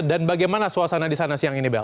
dan bagaimana suasana di sana siang ini bel